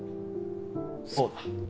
そうだ。